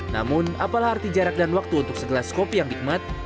namun apalah arti jarak dan waktu untuk segelas kopi yang nikmat